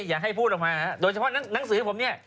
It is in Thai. อย่าให้พูดออกมาโดยเฉพาะหนังสือผมเนี่ย